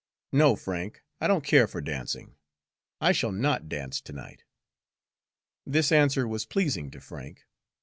"No, Frank, I don't care for dancing. I shall not dance to night." This answer was pleasing to Frank.